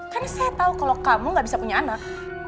karena saya tahu kalau kamu gak bisa punya anak